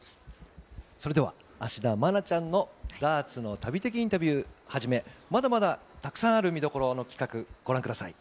それでは、芦田愛菜ちゃんのダーツの旅的インタビューはじめ、まだまだたくさんある見どころの企画、ご覧ください。